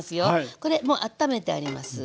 これもうあっためてあります。